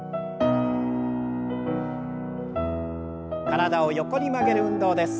体を横に曲げる運動です。